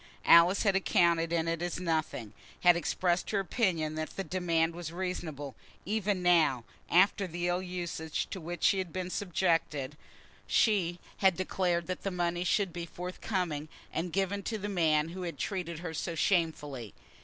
Alice had accounted it as nothing, had expressed her opinion that the demand was reasonable; even now, after the ill usage to which she had been subjected, she had declared that the money should be forthcoming, and given to the man who had treated her so shamefully.